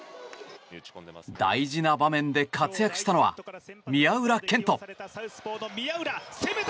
大事な場面で活躍したのは宮浦健人。